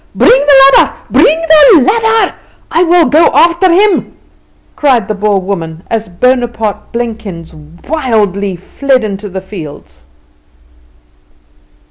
"Bring the ladder! bring the ladder! I will go after him!" cried the Boer woman, as Bonaparte Blenkins wildly fled into the fields.